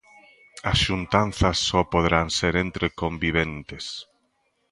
As xuntanzas só poderán ser entre conviventes.